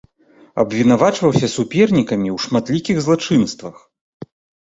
Абвінавачваўся супернікамі ў шматлікіх злачынствах.